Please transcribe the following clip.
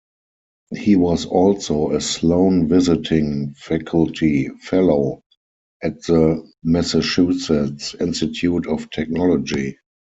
He was also a Sloan Visiting Faculty Fellow at the Massachusetts Institute of Technology.